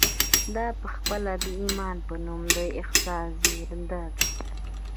دا پخپله د ايمان په نوم د احساس زېږنده ده.